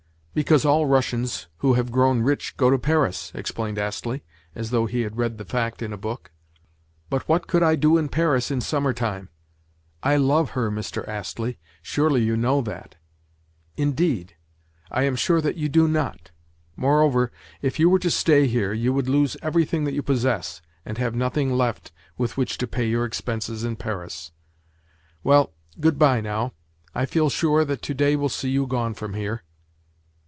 "Because all Russians who have grown rich go to Paris," explained Astley, as though he had read the fact in a book. "But what could I do in Paris in summer time?—I love her, Mr. Astley! Surely you know that?" "Indeed? I am sure that you do not. Moreover, if you were to stay here, you would lose everything that you possess, and have nothing left with which to pay your expenses in Paris. Well, good bye now. I feel sure that today will see you gone from here."